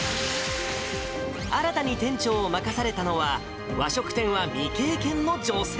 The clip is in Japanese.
新たに店長を任されたのは、和食店は未経験の女性。